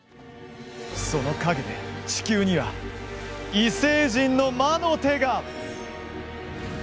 その陰で地球には異星人の魔の手が。え？